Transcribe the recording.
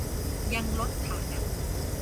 ยังลดฐานะ